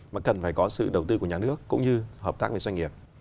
mà cần phải có sự đầu tư của nhà nước cũng như hợp tác với doanh nghiệp